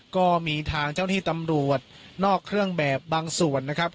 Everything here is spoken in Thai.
ก็มีทางเจ้าที่ตำรวจนอกเครื่องแบบบางส่วนนะครับ